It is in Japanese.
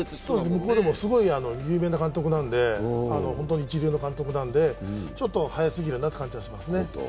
向こうでもすごい有名な監督なんで、本当に一流の監督なんでちょっと早すぎるなという感じはしますね。